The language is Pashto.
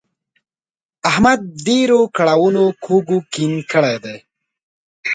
احمد ډېرو کړاوونو کوږ کیڼ کړی دی.